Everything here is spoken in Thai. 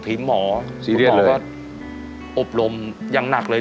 ทุกหมอก็โอบรมยังหนักเลย